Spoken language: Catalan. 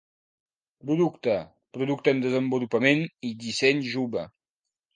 Producte, producte en desenvolupament i disseny jove.